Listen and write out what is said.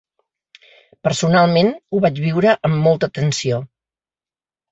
Personalment, ho vaig viure amb molta tensió.